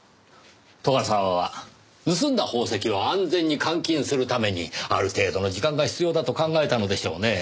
斗ヶ沢は盗んだ宝石を安全に換金するためにある程度の時間が必要だと考えたのでしょうねぇ。